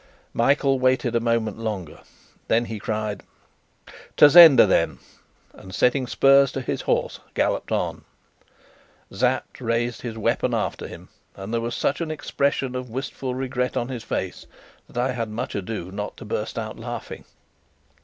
Michael waited a moment longer. Then he cried: "To Zenda, then!" and setting spurs to his horse, galloped on. Sapt raised his weapon after him, and there was such an expression of wistful regret on his face that I had much ado not to burst out laughing.